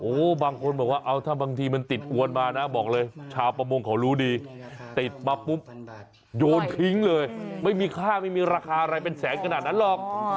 บางคนบอกว่าเอาถ้าบางทีมันติดอวนมานะบอกเลยชาวประมงเขารู้ดีติดมาปุ๊บโยนทิ้งเลยไม่มีค่าไม่มีราคาอะไรเป็นแสนขนาดนั้นหรอก